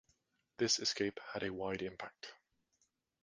This escape had a wide impact.